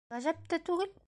Ғәжәп тә түгел.